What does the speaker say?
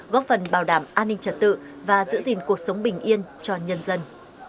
góp phần bảo đảm an ninh trật tự và giữ gìn cuộc sống bình yên cho nhân dân